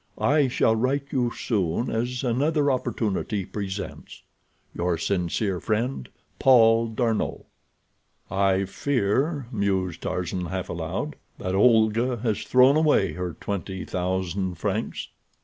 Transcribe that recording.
I shall write you as soon as another opportunity presents. Your sincere friend, PAUL D'ARNOT. "I fear," mused Tarzan, half aloud, "that Olga has thrown away her twenty thousand francs."